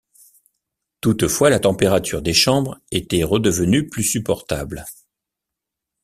Toutefois, la température des chambres était redevenue plus supportable.